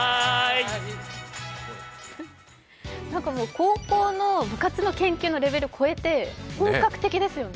高校の部活の研究のレベルを超えて本格的ですよね。